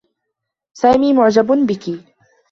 سامي معجب بك.